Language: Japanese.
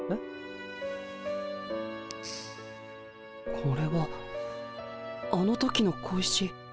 これはあの時の小石。